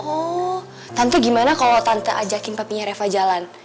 oh tante gimana kalo tante ajakin papinya reva jalan